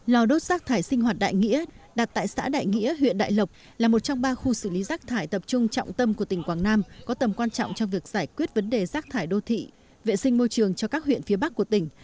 lò đốt rác thải sinh hoạt đại nghĩa đặt tại xã đại nghĩa huyện đại lộc là một trong ba khu xử lý rác thải tập trung trọng tâm của tỉnh quảng nam có tầm quan trọng trong việc giải quyết vấn đề rác thải đô thị vệ sinh môi trường cho các huyện phía bắc của tỉnh